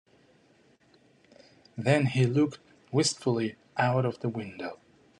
Then he looked wistfully out of the window.